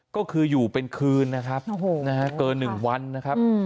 ก็คืออยู่เป็นคืนนะครับเกิน๑วันนะครับ